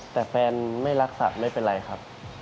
แต่แฟนไม่รักสัตว์ไม่เป็นไรครับ